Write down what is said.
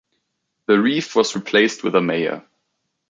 The reeve was replaced with a mayor.